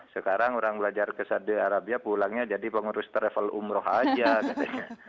sekarang orang belajar ke saudi arabia pulangnya jadi pengurus travel umroh aja katanya